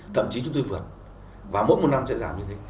thậm chí chúng tôi vượt và mỗi một năm sẽ giảm như thế